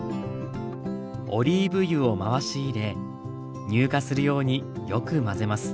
オリーブ油を回し入れ乳化するようによく混ぜます。